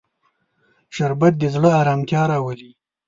شربت د زړه ارامتیا راولي